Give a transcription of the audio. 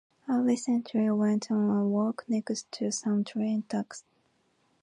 I recently went on a walk next to some train tracks.